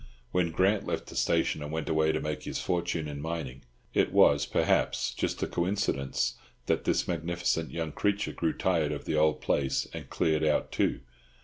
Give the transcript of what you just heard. When Grant left the station, and went away to make his fortune in mining, it was, perhaps, just a coincidence that this magnificent young creature grew tired of the old place and "cleared out," too.